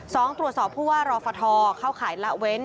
สองตรวจสอบผู้ว่ารอฟทเข้าข่ายละเว้น